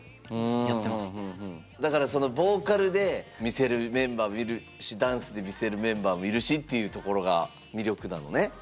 だからそのボーカルで魅せるメンバーもいるしダンスで魅せるメンバーもいるしっていうところが魅力なのね。